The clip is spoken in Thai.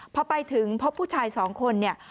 พอไปถึงพบผู้ชายสองคนเนี่ย